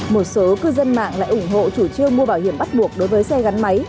một số cư dân mạng lại ủng hộ chủ trương mua bảo hiểm bắt buộc đối với xe gắn máy